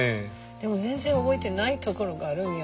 でも全然覚えてないところがあるんよ。